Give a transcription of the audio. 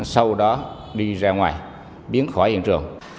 sau đó đi ra ngoài biến khỏi hiện trường